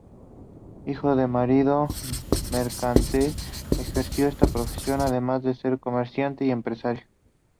Hijo de un marino mercante, ejerció esta profesión además de ser comerciante y empresario.